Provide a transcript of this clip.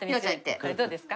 これどうですか？